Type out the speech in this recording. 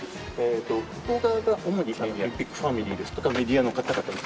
向こう側が主にオリンピックファミリーですとか、メディアの方々。